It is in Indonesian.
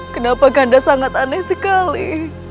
kenapa ganda sangat aneh sekali